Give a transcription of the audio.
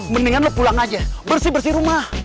mendingan lo pulang aja bersih bersih rumah